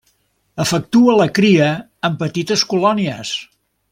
Efectua la cria en petites colònies.